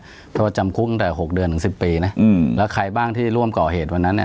เพราะว่าจำคุกตั้งแต่๖เดือนถึงสิบปีนะอืมแล้วใครบ้างที่ร่วมก่อเหตุวันนั้นเนี่ย